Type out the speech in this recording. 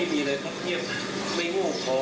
นี่ก็เลยผมอยู่ด้วยช่วงสี่ปุ่ม